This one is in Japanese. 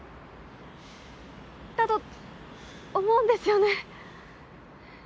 と思うんですよね。